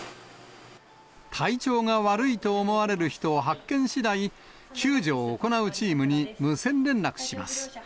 体調が悪いと思われる人を発見しだい、救助を行うチームに無線連絡します。